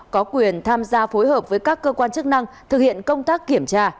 có quyền tham gia phối hợp với các cơ quan chức năng thực hiện công tác kiểm tra